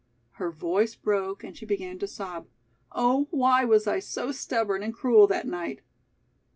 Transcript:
Her voice broke and she began to sob, "Oh, why was I so stubborn and cruel that night?"